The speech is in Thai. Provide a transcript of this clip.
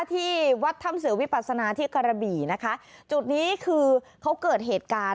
ที่วัดถ้ำเสือวิปัสนาที่กระบี่นะคะจุดนี้คือเขาเกิดเหตุการณ์